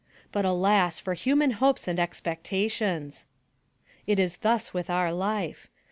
But, alas! for human hopes and expectations ! It is thus with our life.